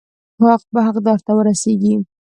حق به حقدار ته ورسیږي.